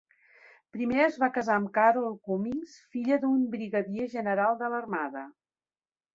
Primer es va casar amb Carol Cummings, filla d'un brigadier general de l'Armada.